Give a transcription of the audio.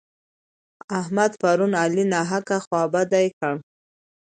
احمد پرون علي ناحقه خوابدی کړ.